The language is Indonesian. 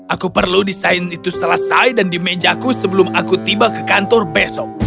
aku perlu desain itu selesai dan di mejaku sebelum aku tiba ke kantor besok